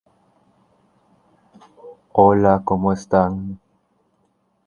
Inventada por Alexander Wood.